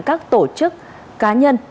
các tổ chức cá nhân